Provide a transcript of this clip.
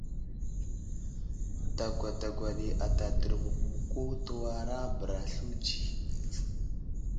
Dagwa dagwa ɗi ata dərmuk muku təwara bəra slunzi.